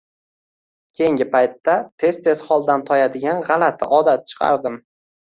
Keyingi paytda tez-tez holdan toyadigan gʼalati odat chiqardim.